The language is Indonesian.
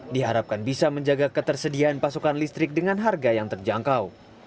diharapkan bisa menjaga ketersediaan pasokan listrik dengan harga yang terjangkau